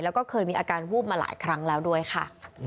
แล้วก็เคยมีอาการวูบมาหลายครั้งแล้วด้วยค่ะ